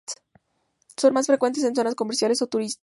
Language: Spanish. Son más frecuentes en zonas comerciales o turísticas.